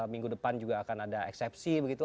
minggu depan juga akan ada eksepsi begitu